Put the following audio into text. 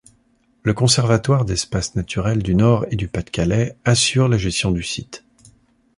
Le Conservatoire d'espaces naturels du Nord et du Pas-de-Calais assure la gestion du site.